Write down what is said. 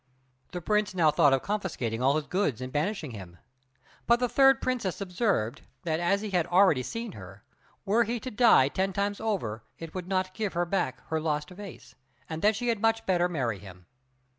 The Prince now thought of confiscating all his goods and banishing him; but the third princess observed, that as he had already seen her, were he to die ten times over it would not give her back her lost face, and that she had much better marry him.